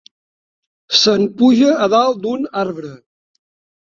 Se'n puja a dalt d'un arbre.